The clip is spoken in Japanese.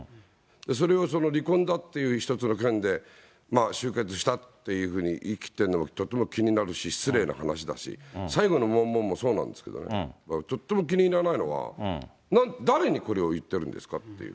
それを離婚だという一つの件で、終結したっていうふうに言い切ってるのはとても気になるし、失礼な話だし、最後の文言もそうなんですけど、とっても気に入らないのは、誰にこれを言ってるんですかっていう。